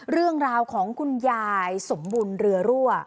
เรื่องราวของคุณยายสมบุญเรือรั่ว